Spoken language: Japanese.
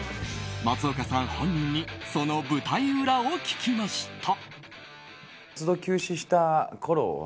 松岡さん本人にその舞台裏を聞きました。